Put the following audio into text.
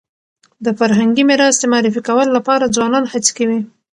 د فرهنګي میراث د معرفي کولو لپاره ځوانان هڅي کوي